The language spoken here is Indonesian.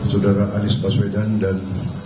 saudara arief paswedan dan